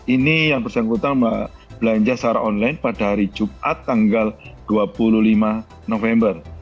ini yang bersangkutan belanja secara online pada hari jumat tanggal dua puluh lima november